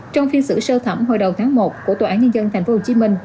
trong phiên xử sơ thẩm hồi đầu tháng một của tòa án nhân dân tp hcm